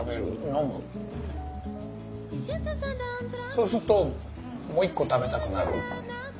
そうするともう１個食べたくなる。